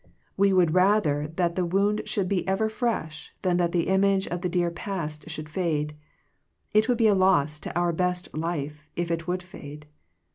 We would rather that the wound should be ever fresh than that the image of the dear past should fade. It would be a loss to our best life if it would fade.